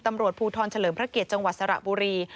ตำรวจภูทรเฉลิมพระเกียรติจังหวัดสระบุรี